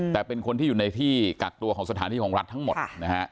แต่เป็นคนที่อยู่ในที่กักตัวของสถานที่ของรัฐทั้งหมดนะฮะ